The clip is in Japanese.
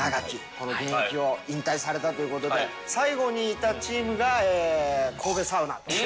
この現役を引退されたということで、最後にいたチームが、神戸サウナという。